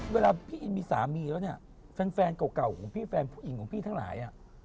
เขาตกใจเลย